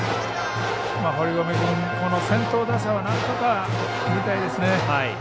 堀米君、この先頭打者をなんとか切りたいですね。